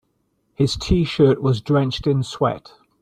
His t-shirt was drenched in sweat.